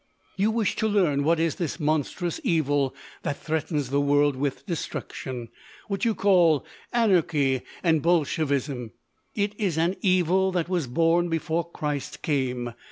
You wish to learn what is this monstrous evil that threatens the world with destruction—what you call anarchy and Bolshevism? It is an Evil that was born before Christ came!